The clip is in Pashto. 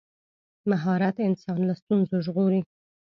مهارت انسان له ستونزو ژغوري.